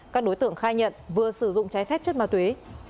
các đối tượng khai nhận vừa sử dụng trái phép chất ma túy